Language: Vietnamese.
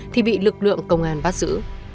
thì bị lực lượng công an bắt giữ